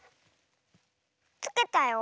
つけたよ。